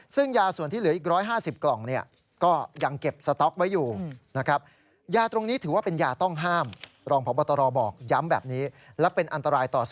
ซึ่งยาส่วนที่เหลืออีก๑๕๐กล่อง